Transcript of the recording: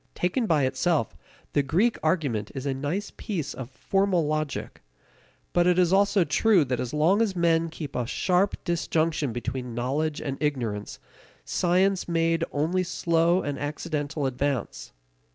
Taken by itself, the Greek argument is a nice piece of formal logic. But it is also true that as long as men kept a sharp disjunction between knowledge and ignorance, science made only slow and accidental advance.